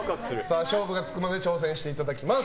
勝負がつくまで挑戦していただきます。